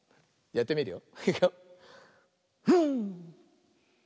やってみるよ。